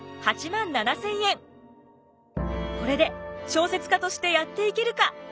これで小説家としてやっていけるかと思いきや